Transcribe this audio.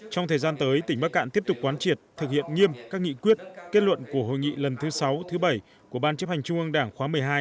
trong thời gian tới tỉnh bắc cạn tiếp tục quán triệt thực hiện nghiêm các nghị quyết kết luận của hội nghị lần thứ sáu thứ bảy của ban chấp hành trung ương đảng khóa một mươi hai